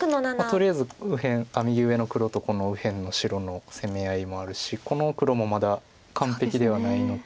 とりあえず右上の黒とこの右辺の白の攻め合いもあるしこの黒もまだ完璧ではないのと。